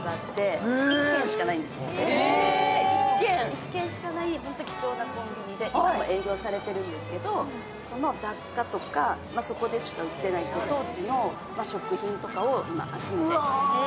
１軒しかない貴重なコンビニで今も営業されているんですけど、その雑貨とか、そこでしか売っていないご当地の食品とかを集めて。